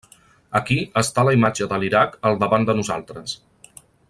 Aquí està la imatge de l'Iraq al davant de nosaltres.